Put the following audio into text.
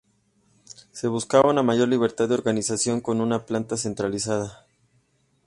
Se buscaba una mayor libertad de organización con una planta centralizada.